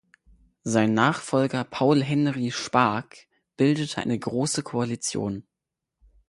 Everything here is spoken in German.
Sein Nachfolger Paul-Henri Spaak bildete eine große Koalition.